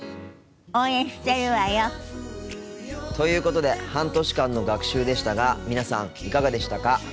応援してるわよ。ということで半年間の学習でしたが皆さんいかがでしたか？